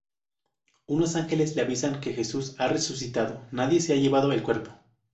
Unos ángeles les avisan que Jesús ha resucitado, nadie se ha llevado el cuerpo.